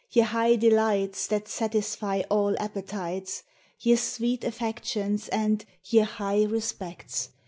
ye high delights That satisfy all appetites ! Ye sweet affections, and Ye high respects